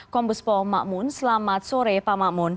kombespo makmun selamat sore pak makmun